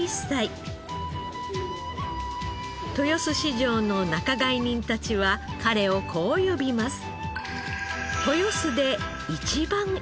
豊洲市場の仲買人たちは彼をこう呼びます。